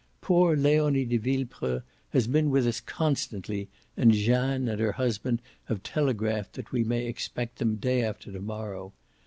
Poor Leonie de Villepreux has been with us constantly and Jeanne and her husband have telegraphed that we may expect them day after to morrow.